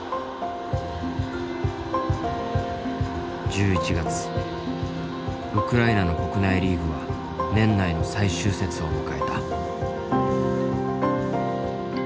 １１月ウクライナの国内リーグは年内の最終節を迎えた。